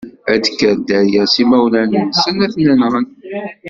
Ad d-tekker dderya s imawlan-nsen, ad ten-nɣen.